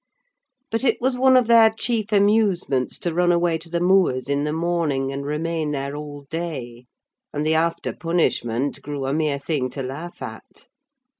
But it was one of their chief amusements to run away to the moors in the morning and remain there all day, and the after punishment grew a mere thing to laugh at.